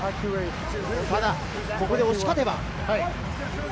ここで押し勝てば。